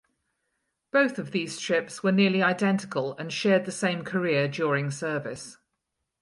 Both of these ships were nearly identical and shared the same career during service.